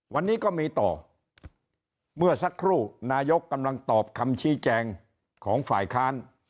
วันนี้ก็มีต่อเมื่อสักครู่นายกกำลังตอบคำชี้แจงของฝ่ายค้าน